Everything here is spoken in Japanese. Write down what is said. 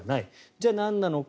じゃあなんなのか。